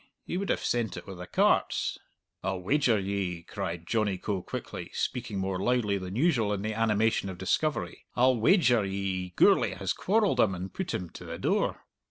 He would have sent it with the carts." "I'll wager ye," cried Johnny Coe quickly, speaking more loudly than usual in the animation of discovery "I'll wager ye Gourlay has quarrelled him and put him to the door!"